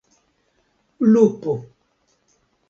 lupo